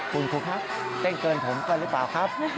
คุณครูครับเต้นเกินผมเกินหรือเปล่าครับ